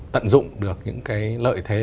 tận dụng được những cái lợi thế